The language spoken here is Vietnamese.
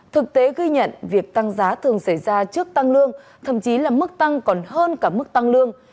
thực tế ghi nhận việc tăng giá thường xảy ra trước tăng lương thậm chí là mức tăng còn hơn cả mức tăng lương